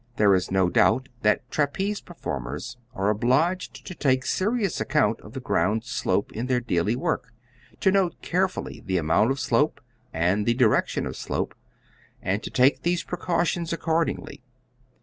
There is no doubt that trapeze performers are obliged to take serious account of the ground's slope in their daily work, to note carefully the amount of slope and the direction of slope, and to take their precautions accordingly.